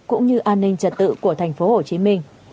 cũng như an ninh trật tự của tp hcm